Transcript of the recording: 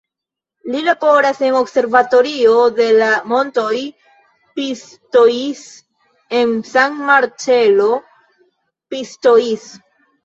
Li laboras en la Observatorio de la Montoj Pistoiese, en San Marcello Pistoiese.